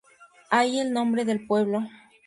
Ahí el nombre del pueblo.